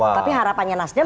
tapi harapannya nastian